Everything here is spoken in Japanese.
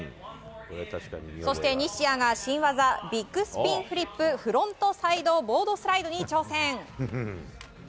そして西矢が新技ビッグスピンフリップフロントサイドボードスライドに挑戦。